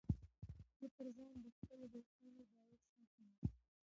زه پر ځان د خپلو دوستانو باور ساتم.